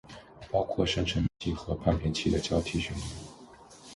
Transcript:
包括生成器和判别器的交替训练